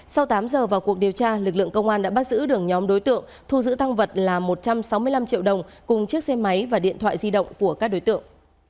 sau tám giờ vào cuộc điều tra lực lượng công an đã bắt giữ đường nhóm đối tượng thu giữ tăng vật là một trăm sáu mươi năm triệu đồng cùng chiếc xe máy và điện thoại di động của các đối tượng